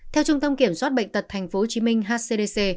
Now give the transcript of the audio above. theo trung tâm kiểm soát bệnh tật tp hcm hcdc